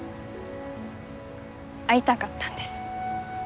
会いたかったんです。